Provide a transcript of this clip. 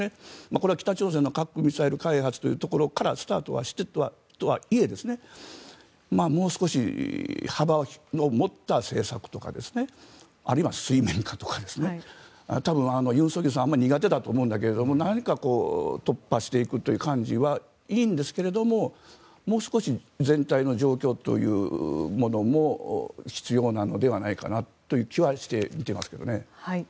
これは北朝鮮の核・ミサイル開発というところからスタートしたとはいえもう少し幅の持った政策とかあるいは水面下とか多分、尹錫悦さん苦手だと思うんだけど何か突破していくという感じはいいんですけれどももう少し全体の状況というものも必要なのではないかなという気はして見ていますけどね。